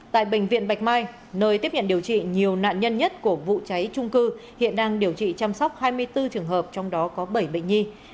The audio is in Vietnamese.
tại bệnh viện bạch mai nơi tiếp nhận điều trị nhiều nạn nhân nhất của vụ cháy trung cư hiện đang điều trị chăm sóc hai mươi bốn trường hợp trong đó có bảy bệnh nhi